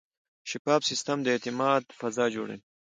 شفاف سیستم د اعتماد فضا جوړوي.